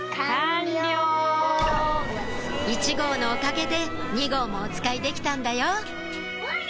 １号のおかげで２号もおつかいできたんだよ